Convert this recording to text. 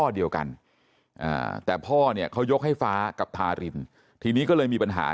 เดียวกันแต่พ่อเนี่ยเขายกให้ฟ้ากับทารินทีนี้ก็เลยมีปัญหา